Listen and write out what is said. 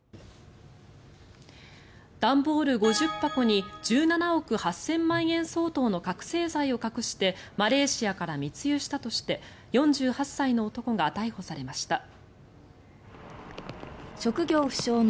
段ボール５０箱に１７億８０００万円相当の覚醒剤を隠してマレーシアから密輸したとして４８歳の男が逮捕されました。